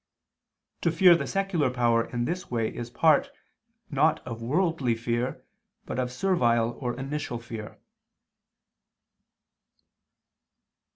To fear the secular power in this way is part, not of worldly fear, but of servile or initial fear.